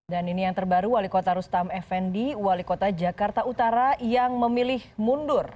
dan ini yang terbaru wali kota rustam fnd wali kota jakarta utara yang memilih mundur